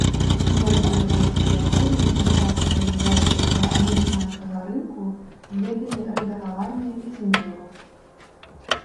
Многія японскія гульні падчас лакалізацыі для амерыканскага рынку зведалі рэдагаванне і цэнзуру.